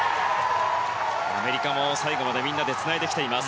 アメリカも最後までつないできています。